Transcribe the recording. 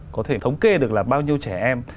có thể thống kê được là bao nhiêu trẻ em